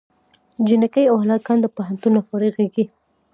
جینکۍ او هلکان د پوهنتون نه فارغېږي